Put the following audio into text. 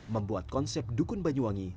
membuat konsep dukun banyuwangi